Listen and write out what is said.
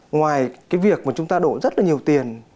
ngoài cái việc mà chúng ta đổ rất là nhiều tiền